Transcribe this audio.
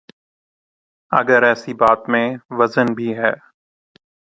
اگر ایسی بات میں وزن بھی ہے۔